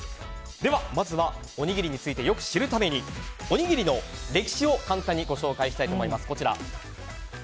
まずはおにぎりについてよく知るためにおにぎりの歴史を簡単にご紹介したいと思います。